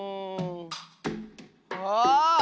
あ！